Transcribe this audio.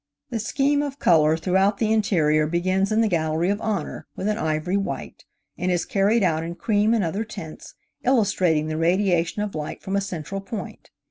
The scheme of color throughout the interior begins in the Gallery of Honor with an ivory white, and is carried out in cream and other tints, illustrating the radiation of light from a central point.